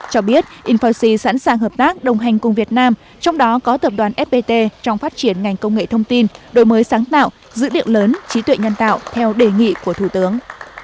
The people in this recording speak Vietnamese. cho biết infoxi sẵn sàng hợp tác đồng hành cùng việt nam trong đó có tập đoàn fpt trong phát triển ngành công nghệ thông tin đổi mới sáng tạo dữ liệu lớn trí tuệ nhân tạo theo đề nghị của thủ tướng